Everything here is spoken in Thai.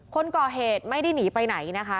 คนก่อเหตุไม่ได้หนีไปไหนนะคะ